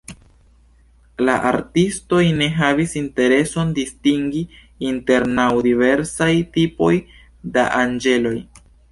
La artistoj ne havis intereson distingi inter naŭ diversaj tipoj da anĝeloj.